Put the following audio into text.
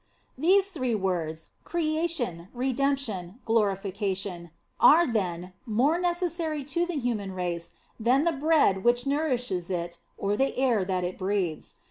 These three words, Creation, Redemption, Glorification, are, then, more necessary to the human race than the bread which nourishes it, or the air that it breathes.